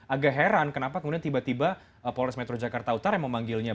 agak heran kenapa kemudian tiba tiba polres metro jakarta utara yang memanggilnya